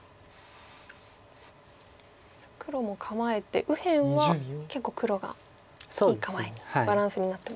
黒も構えて右辺は結構黒がいい構えにバランスになってますね。